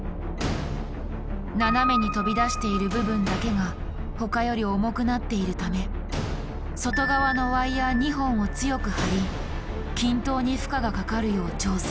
斜めに飛び出している部分だけが他より重くなっているため外側のワイヤー２本を強く張り均等に負荷がかかるよう調整。